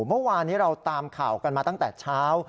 เมื่อวานนี้เราตามข่าวกันมาตั้งแต่เช้า